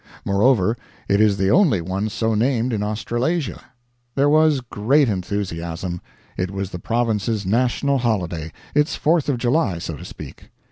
Moreover, it is the only one so named in Australasia. There was great enthusiasm; it was the Province's national holiday, its Fourth of July, so to speak.